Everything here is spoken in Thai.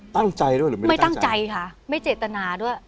ตั้งใจด้วยหรือไม่ไม่ตั้งใจค่ะไม่เจตนาด้วย